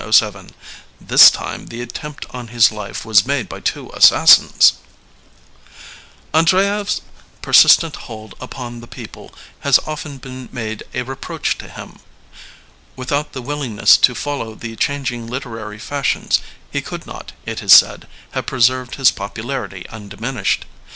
This time the attempt on his life was made by two assassinSn^T" Andreyev's persistent hold upon the^>eople has often been made a reproach to him.|^nYithout the willingness to follow the changing literary fashions, he could not, it is said, have preserved his popularity 10 LEONID ANDREYEV undiminished.